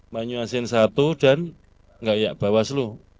banyu asin satu dan enggak ya bawaslu